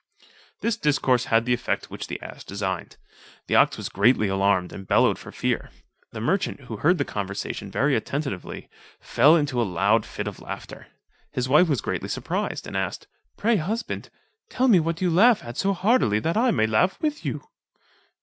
This discourse had the effect which the ass designed. The ox was greatly alarmed, and bellowed for fear. The merchant, who heard the conversation very attentively, fell into a loud fit of laughter. His wife was greatly surprised, and asked, "Pray, husband, tell me what you laugh at so heartily, that I may laugh with you."